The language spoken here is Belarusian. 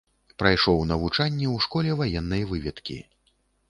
Прайшоў навучанне ў школе ваеннай выведкі.